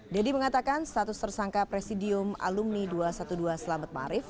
dedy mengatakan status tersangka presidium alumni dua ratus dua belas selamat ma'arif